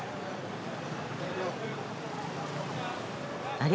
あれ？